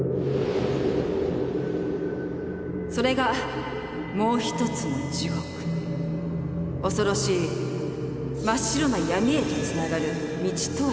それがもう１つの地獄恐ろしい「真っ白な闇」へとつながる道とは知らずに。